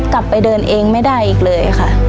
กลับไปเดินเองไม่ได้อีกเลยค่ะ